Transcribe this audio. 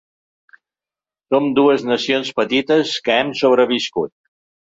Som dues nacions petites que hem sobreviscut.